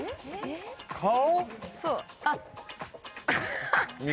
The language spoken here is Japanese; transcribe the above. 顔？